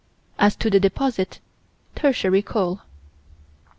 As to the deposit Tertiary coal.